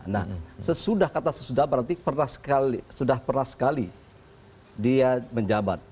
nah sesudah kata sesudah berarti sudah pernah sekali dia menjabat